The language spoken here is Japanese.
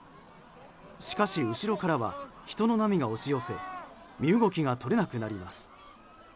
しかし、後ろからは人の波が押し寄せ身動きがとれなくなります。